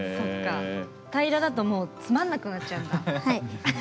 平らだともうつまんなくなっちゃうんだ。